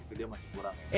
itu dia masih kurang ya